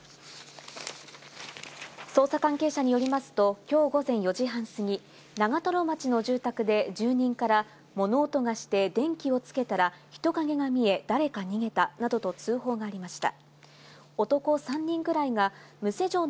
捜査関係者によりますと、今日午前４時半過ぎ、長瀞町の住宅で住人から物音がして、電気をつけたら人影が見え、誰か逃げたなどと通報がありました。